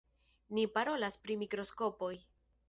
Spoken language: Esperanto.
Ni parolas pri mikroskopoj.